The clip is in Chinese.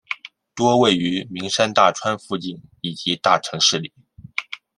多位于名山大川附近以及大城市里。